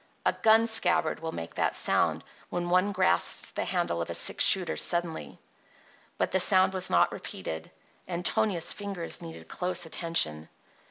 A gun scabbard will make that sound when one grasps the handle of a six shooter suddenly. But the sound was not repeated; and Tonia's fingers needed close attention.